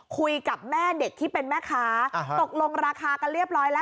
คุยกับแม่เด็กที่เป็นแม่ค้าตกลงราคากันเรียบร้อยแล้ว